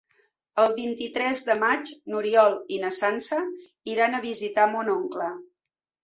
El vint-i-tres de maig n'Oriol i na Sança iran a visitar mon oncle.